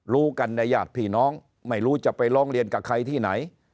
รู้กันในญาติพี่น้องไม่รู้จะไปร้องเรียนกับใครที่ไหน